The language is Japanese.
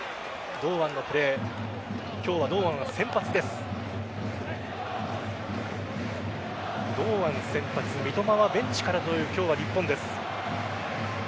堂安先発、三笘はベンチからという日本です。